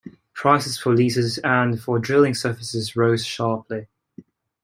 Prices for leases and for drilling services rose sharply.